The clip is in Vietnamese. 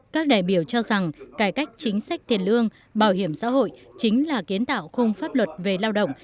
các đại biểu cho rằng cải cách chính sách tiền lương bảo hiểm xã hội chính là kiến tạo khung pháp luật về lao động